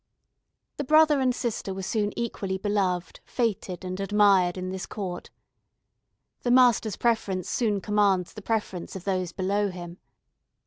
The brother and sister were soon equally beloved, fêted, and admired in this court. The master's preference soon commands the preference of those below him.